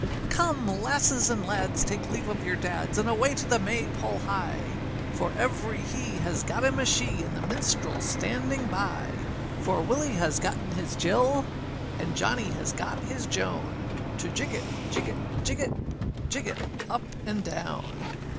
] COME, lasses and lads, take leave of your dads, And away to the may pole hie; For every he has got him a she, And the minstrelâs standing by; For Willie has gotten his Jill, And Johnny has got his Joan, To jig it, jig it, jig it, Jig it up and down.